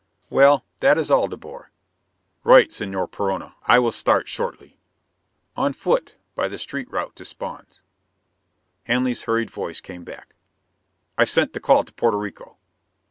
"... Well, that is all, De Boer." "Right, Señor Perona. I will start shortly." "On foot, by the street route to Spawn's " Hanley's hurried voice came back: "I've sent the call to Porto Rico."